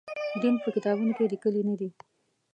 دین په کتابونو کې لیکلي نه دی.